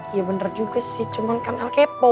iya bener juga sih cuman kan el kepo